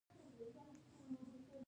داسي مرحلې ته ورسيږي چي